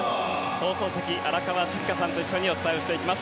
放送席、荒川静香さんと一緒にお伝えしていきます。